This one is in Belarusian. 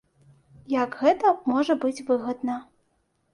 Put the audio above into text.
Як гэта можа быць выгадна.